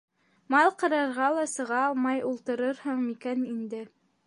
Мал ҡарарға ла сыға алмай ултырырһың микән инде...